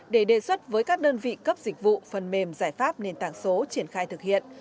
để đề xuất với các đơn vị cấp dịch vụ phần mềm giải pháp nền tảng số triển khai thực hiện